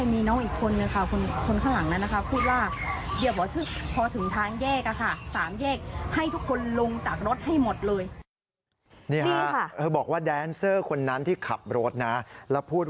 นี่ค่ะบอกว่าแดนเซอร์คนนั้นที่ขับรถแล้วพูดว่า